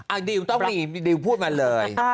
เอาดิวต้องมีดิวพูดมาเลย